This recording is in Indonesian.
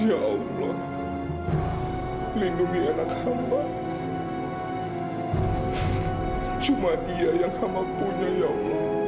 ya allah lindungi anak hamba cuma dia yang hama punya ya allah